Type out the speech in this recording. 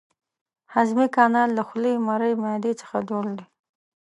هضمي کانال له خولې، مرۍ، معدې څخه جوړ دی.